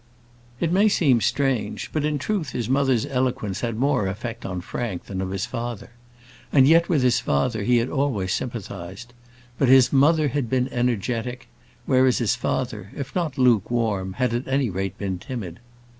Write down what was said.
It may seem strange; but, in truth, his mother's eloquence had more effect on Frank than that of his father: and yet, with his father he had always sympathised. But his mother had been energetic; whereas, his father, if not lukewarm, had, at any rate, been timid.